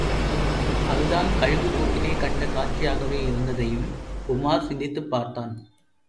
அது தான் கழுகுக்கூட்டிலே கண்ட காட்சியாகவே இருந்ததையும் உமார் சிந்தித்துப் பார்த்தான்.